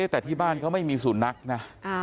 แต่ที่บ้านเขาไม่มีสุนัขนะ